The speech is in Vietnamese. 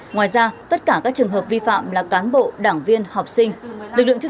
ngoài ra tất cả các trường hợp vi phạm là cán bộ đảng viên học sinh